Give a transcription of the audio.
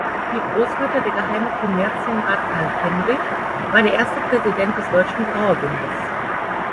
Ihr Großvater, der geheime Kommerzienrat Carl Henrich, war der erste Präsident des Deutschen Brauer-Bundes.